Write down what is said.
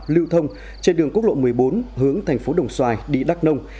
lưu thông trên đường quốc lộ một mươi bốn hướng thành phố đồng xoài đị đắc nông